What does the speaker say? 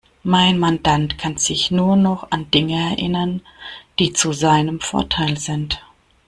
Mein Mandant kann sich nur noch an Dinge erinnern, die zu seinem Vorteil sind.